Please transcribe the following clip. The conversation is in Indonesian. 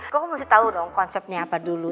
gue kok masih tau dong konsepnya apa dulu